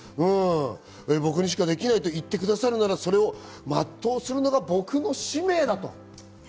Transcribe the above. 僕にしかできないと言ってくださるなら、それを全うするのが僕の使命だと。